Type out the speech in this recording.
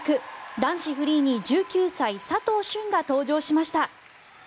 男子フリーに１９歳、佐藤駿が登場しました。